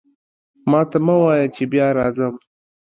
ماته مه وایه چې بیا راځم.